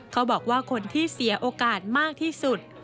เขาบอกว่าคนที่เสียโอกาสมากที่สุด